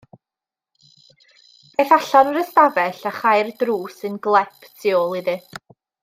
Aeth allan o'r ystafell a chau'r drws yn glep tu ôl iddi.